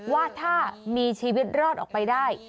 ว่าถ้ามีชีวิตรอดออกไปได้